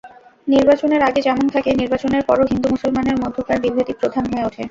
নির্বাচনের আগে যেমন থাকে, নির্বাচনের পরও হিন্দু-মুসলমানের মধ্যকার বিভেদই প্রধান হয়ে ওঠে।